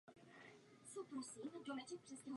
Tyto řády se označují jako církevní či duchovní.